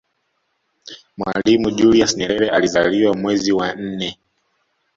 mwalimu julius nyerere alizaliwa mwezi wa nne